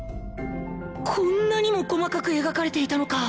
こんなにも細かく描かれていたのか！